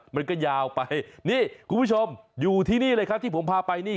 มันก็ยาวไปนี่คุณผู้ชมอยู่ที่นี่เลยครับที่ผมพาไปนี่